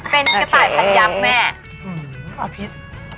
เป็นกระต่ายพัดยำเนี้ย